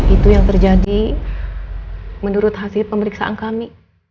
itu yang terjadi menurut hasil pemeriksaan kami